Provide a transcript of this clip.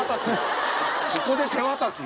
ここで手渡し？